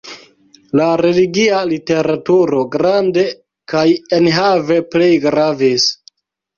La religia literaturo grande kaj enhave plej gravis.